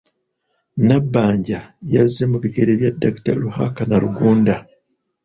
Nabbanja yazze mu bigere bya Dr. Ruhakana Rugunda.